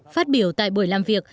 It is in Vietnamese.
phát biểu tại buổi làm việc